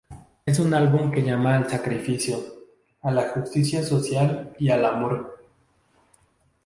Es un álbum que llama al sacrificio, a la justicia social y al amor".